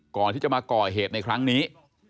ก่อนที่จะมาก่อเหตุในครั้งนี้